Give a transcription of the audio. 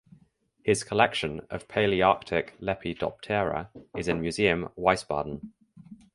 His collection of Palearctic lepidoptera is in Museum Wiesbaden